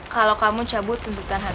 kalau kamu cabut untuk tan hanong